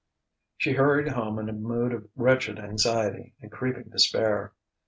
She hurried home in a mood of wretched anxiety and creeping despair.